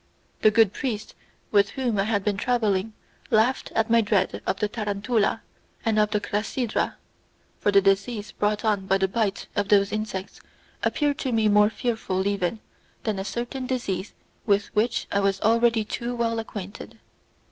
The good priests with whom I had been travelling laughed at my dread of the tarantula and of the crasydra, for the disease brought on by the bite of those insects appeared to me more fearful even than a certain disease with which I was already too well acquainted.